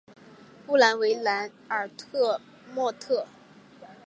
布兰维莱尔拉莫特。